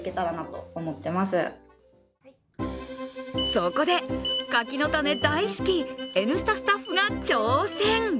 そこで、柿の種大好き「Ｎスタ」スタッフが挑戦。